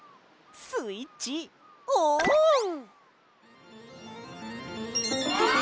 スイッチオン！